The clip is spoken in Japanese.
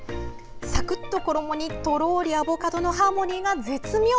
サクッと衣にとろーりアボカドのハーモニーが絶妙。